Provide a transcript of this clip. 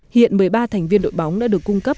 hiện một mươi ba thành viên đội bóng đã được cung cấp